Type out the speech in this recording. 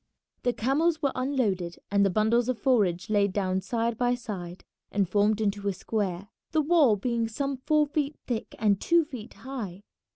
The camels were unloaded and the bundles of forage laid down side by side and formed into a square, the wall being some four feet thick and two feet high.